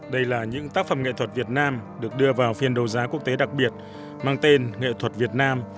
đây là những tác phẩm nghệ thuật việt nam được đưa vào phiên đấu giá quốc tế đặc biệt mang tên nghệ thuật việt nam